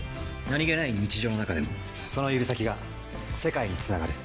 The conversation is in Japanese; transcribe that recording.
何気ない日常の中でも、その指先が世界につながる。